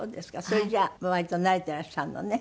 それじゃあ割と慣れてらっしゃるのね？